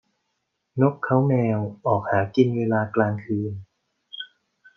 นกเค้าแมวออกหากินเวลากลางคืน